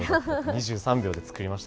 ２３秒で作りました。